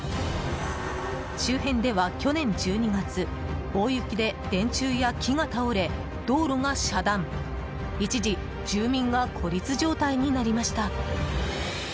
周辺では、去年１２月大雪で電柱や木が倒れ道路が遮断、一時住民が孤立状態になりました。